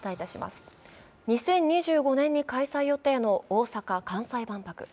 ２０２５年に開催予定の大阪・関西万博。